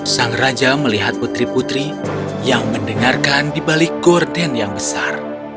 sang raja melihat putri putri yang mendengarkan di balik gorden yang besar